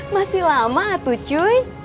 masih lama tuh cu